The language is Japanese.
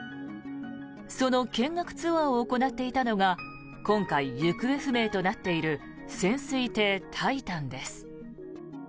その見学ツアーを行っていたのが今回、行方不明となっている潜水艇「タイタン」です。